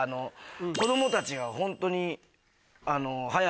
子供たちがホントに。